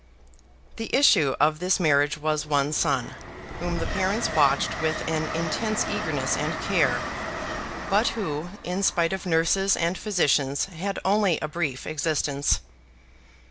The issue of this marriage was one son, whom the parents watched with an intense eagerness and care; but who, in spite of nurses and physicians, had only a brief existence.